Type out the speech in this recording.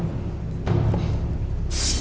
เดี๋ยว